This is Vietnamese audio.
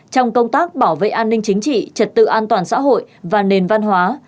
trong công tác bảo vệ an ninh chính trị trật tự an toàn xã hội và nền văn hóa